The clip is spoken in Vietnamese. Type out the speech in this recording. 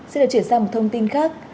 xin được chuyển sang một thông tin khác